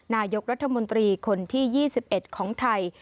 นายกรัฐมนตรีคนที่๒๑ของไทย